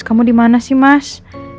mas kamu dimana sih mas